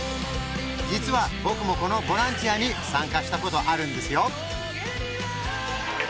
実は僕もこのボランティアに参加したことあるんですよ